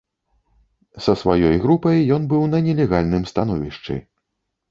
Са сваёй групай ён быў на нелегальным становішчы.